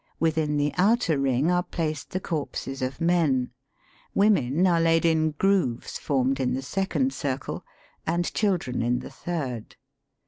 Within the outer ring are placed the corpses of men; women are laid in grooves formed in the second circle, and children in the third.